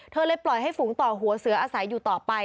เลยปล่อยให้ฝูงต่อหัวเสืออาศัยอยู่ต่อไป